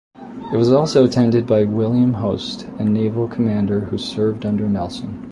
It was also attended by William Hoste, a naval commander who served under Nelson.